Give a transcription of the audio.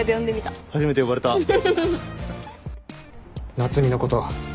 夏海のこと